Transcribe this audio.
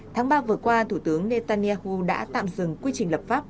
tháng ba vừa qua thủ tướng netanyahu đã tạm dừng quy trình lập pháp